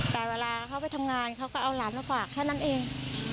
แต่เวลาเขาไปทำงานเขาก็เอาหลานมาฝากแค่นั้นเอง